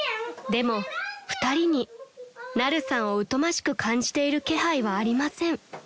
［でも２人にナルさんを疎ましく感じている気配はありません］